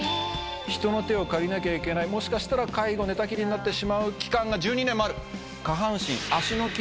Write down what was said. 人の手を借りなきゃいけないもしかしたら介護寝たきりになってしまう期間が１２年もある。